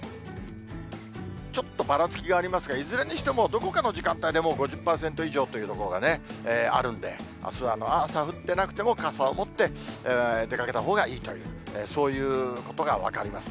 ちょっとばらつきがありますが、いずれにしてもどこかの時間帯でもう５０％以上という所がね、あるんで、あすは朝降ってなくても、傘を持って出かけたほうがいいという、そういうことが分かります。